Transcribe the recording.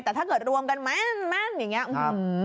แต่ถ้าเกิดรวมกันแม่นอย่างนี้